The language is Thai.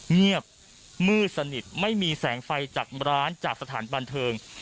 เงียบมืดสนิทไม่มีแสงไฟจากร้านจากสถานบันเทิง